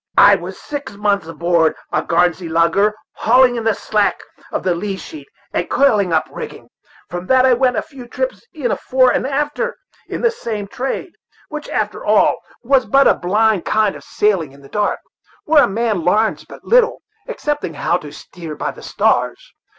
I was six months aboard a Garnsey lugger, hauling in the slack of the lee sheet and coiling up rigging. From that I went a few trips in a fore and after, in the same trade, which, after all, was but a blind kind of sailing in the dark, where a man larns but little, excepting how to steer by the stars.